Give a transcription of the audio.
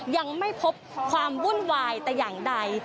ยังไม่พบความวุ่นวายแต่อย่างใด